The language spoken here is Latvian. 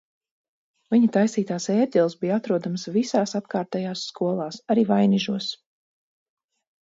Viņa taisītās ērģeles bija atrodamas visās apkārtējās skolās, arī Vainižos.